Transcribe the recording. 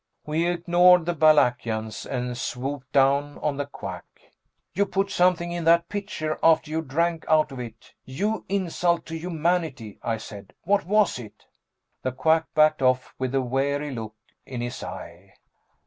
We ignored the Balakians and swooped down on the Quack. "You put something in that pitcher after you drank out of it, you insult to humanity," I said. "What was it?" The Quack backed off with a wary look in his eye.